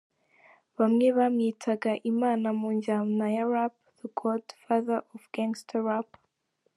Bamwe bamwitaga Imana mu njyana ya Rap “The Godfather of Gangsta Rap".